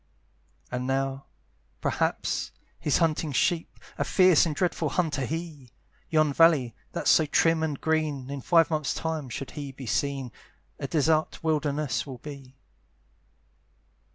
And now, perhaps, he's hunting sheep, A fierce and dreadful hunter he! Yon valley, that's so trim and green, In five months' time, should he be seen, A desart wilderness will be.